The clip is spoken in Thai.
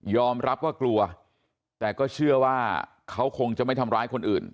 รับว่ากลัวแต่ก็เชื่อว่าเขาคงจะไม่ทำร้ายคนอื่น